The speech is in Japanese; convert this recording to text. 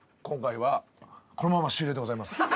今回はこのまま終了でございます。